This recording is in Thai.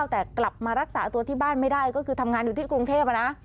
แต่กลับมารักษาตัวที่บ้านไม่ได้ก็คือทำงานอยู่ที่กรุงเทพนะ